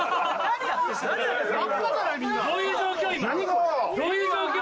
今どういう状況？